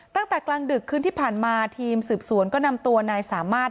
กลางดึกคืนที่ผ่านมาทีมสืบสวนก็นำตัวนายสามารถ